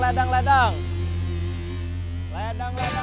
ledang ledang ledang ledang ledang